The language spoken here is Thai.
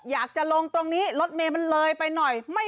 อยากจะลงตรงนี้รถเมย์มันเลยไปหน่อย